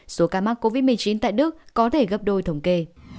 số ca mắc covid một mươi chín tại đức có thể gấp đôi thống kê